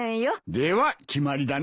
では決まりだな。